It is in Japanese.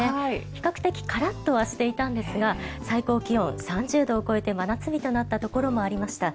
比較的カラッとはしていたんですが最高気温、３０度を超えて真夏日となったところもありました。